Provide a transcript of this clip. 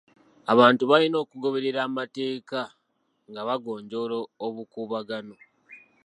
Abantu balina okugoberera amateeka nga bagonjoola obukuubagano..